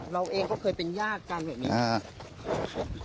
เราเองก็เคยเป็นญาติกันแบบนี้